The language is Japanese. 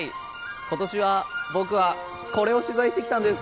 今年は僕はこれを取材してきたんです。